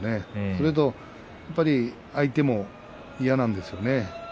それがやっぱり相手も嫌なんですよね。